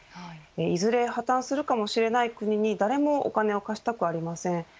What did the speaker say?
いずれ破綻するかもしれない国に誰もお金を貸したくありません。